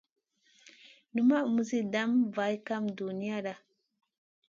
Numaʼ muzi dam a var kam duniyada.